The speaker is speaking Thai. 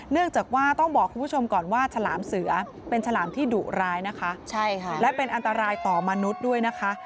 เนื่องจากว่าต้องบอกคุณผู้ชมก่อนว่าฉลามเสือเป็นฉลามที่ดุร้ายนะคะใช่ค่ะและเป็นอันตรายต่อมนุษย์ด้วยนะคะ